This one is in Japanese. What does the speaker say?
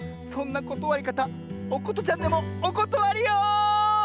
そんなことわりかたおことちゃんでもおことわりよ。